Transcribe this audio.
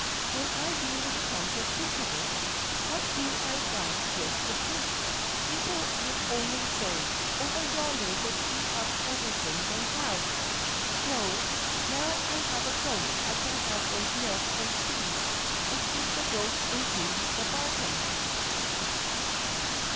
"When I really come to think of it, what do I want with the pig? People would only say: 'Over yonder they eat up everything they have.' No, now I have a goat I can have both milk and cheese and keep the goat into the bargain.